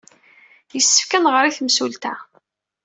Yessefk ad nɣer i temsulta.